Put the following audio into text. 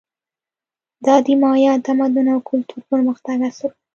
دا د مایا تمدن او کلتور پرمختګ عصر و.